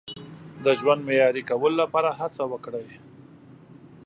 د ژوند معیاري کولو لپاره هڅه وکړئ.